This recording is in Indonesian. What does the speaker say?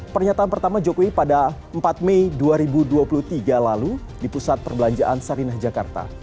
pernyataan pertama jokowi pada empat mei dua ribu dua puluh tiga lalu di pusat perbelanjaan sarinah jakarta